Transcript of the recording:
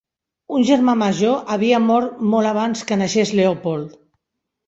Un germà major havia mort molt abans que naixés Leopold.